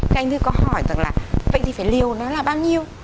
cái anh thư có hỏi tưởng là vậy thì phải liều nó là bao nhiêu